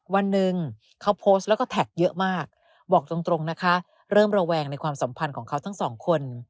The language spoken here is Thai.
วันหนึ่งเขาโพสต์แล้วก็แท็กเยอะมากบอกตรงนะคะเริ่มระแวงในความสัมพันธ์ของเขาทั้งสองคน